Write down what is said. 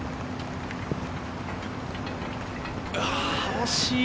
惜しい！